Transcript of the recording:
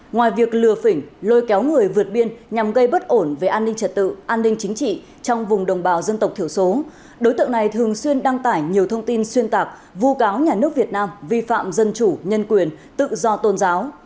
ngoài việc lừa phỉnh lôi kéo người vượt biên nhằm gây bất ổn về an ninh trật tự an ninh chính trị trong vùng đồng bào dân tộc thiểu số đối tượng này thường xuyên đăng tải nhiều thông tin xuyên tạc vu cáo nhà nước việt nam vi phạm dân chủ nhân quyền tự do tôn giáo